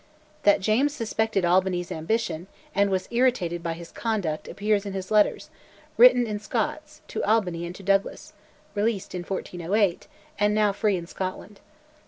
That James suspected Albany's ambition, and was irritated by his conduct, appears in his letters, written in Scots, to Albany and to Douglas, released in 1408, and now free in Scotland.